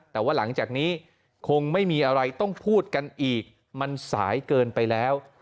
แต่ว่าหลังจากนี้คงไม่มีอะไรต้องพูดกันอีกมันสายเกินไปแล้ว